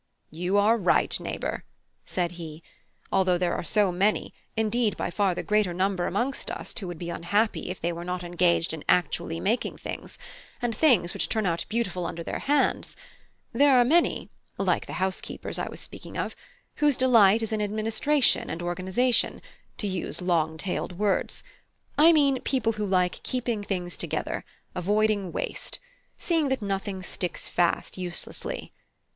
"You are right, neighbour," said he. "Although there are so many, indeed by far the greater number amongst us, who would be unhappy if they were not engaged in actually making things, and things which turn out beautiful under their hands, there are many, like the housekeepers I was speaking of, whose delight is in administration and organisation, to use long tailed words; I mean people who like keeping things together, avoiding waste, seeing that nothing sticks fast uselessly.